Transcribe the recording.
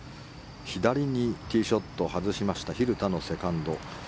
左にティーショットを外しました蛭田のセカンド。